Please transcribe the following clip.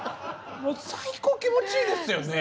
もう最高気持ちいいですよね。